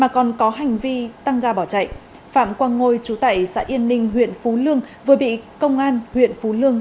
có hành vi tăng ga bỏ chạy phạm quang ngôi chú tại xã yên ninh huyện phú lương vừa bị công an huyện phú lương